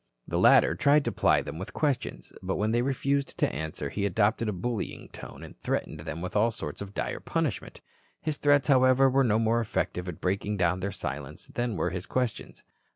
The latter tried to ply them with questions, but when they refused to answer he adopted a bullying tone and threatened them with all sorts of dire punishment. His threats, however, were no more effective at breaking down their silence than were his questions.